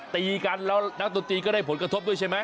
ตีกันแล้วนักดนตรีก็ได้ผลกระทบด้วยใช่ไหม